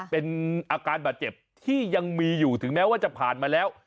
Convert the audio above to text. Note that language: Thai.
เป็นอาการบาดเจ็บที่ยังมีอยู่ถึงแม้ว่าจะผ่านมาแล้ว